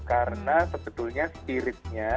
karena sebetulnya spiritnya